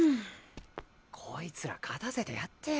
こいつら勝たせてやってよ。